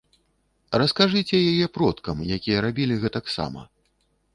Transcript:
Раскажыце яе продкам, якія рабілі гэтак сама.